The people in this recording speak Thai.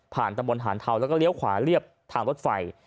ตำบลหานเทาแล้วก็เลี้ยวขวาเรียบทางรถไฟ